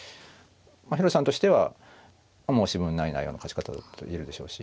広瀬さんとしては申し分ない内容の勝ち方だったと言えるでしょうし